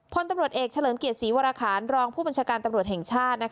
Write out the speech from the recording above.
พลตำรวจเอกเฉลิมเกียรติศรีวรคารรองผู้บัญชาการตำรวจแห่งชาติ